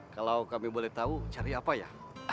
kalau kami boleh tahu cari apa ya